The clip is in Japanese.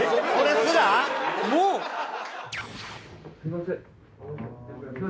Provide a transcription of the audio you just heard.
すみません。